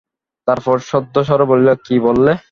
তারপর শুদ্ধস্বরে বলিল, কী বললে?